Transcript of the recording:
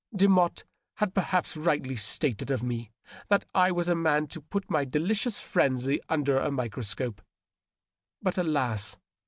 Demotte had perhaps rightly stated of me that I was a man to put my delicious frenzy under a microscope. But alas